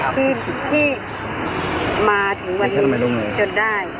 คือที่มาถึงวันนี้จนได้